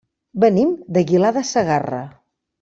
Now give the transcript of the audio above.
Venim d'Aguilar de Segarra.